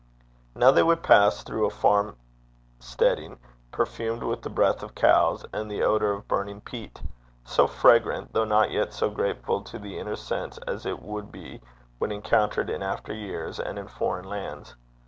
Now they would pass through a farm steading, perfumed with the breath of cows, and the odour of burning peat so fragrant! though not yet so grateful to the inner sense as it would be when encountered in after years and in foreign lands.